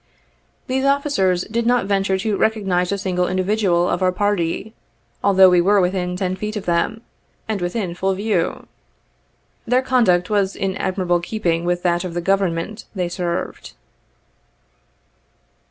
These officers did not venture to recognize a single individual of our party, although we were within ten feet of them, and within full view. Their conduct was in admirable keeping with that of the Government they served.